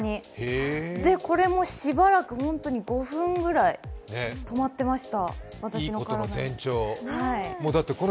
で、これもしばらくホントに５分ぐらい止まってました。